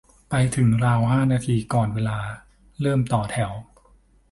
ไปถึงราวห้านาทีก่อนเวลา เริ่มต่อแถว